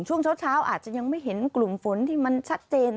ช่วงเช้าอาจจะยังไม่เห็นกลุ่มฝนที่มันชัดเจน